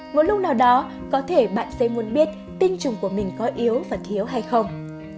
một lúc nào đó có thể bạn sẽ muốn biết tinh trùng của mình có yếu và thiếu hay không